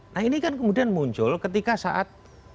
nah ini kan kemudian muncul ketika saat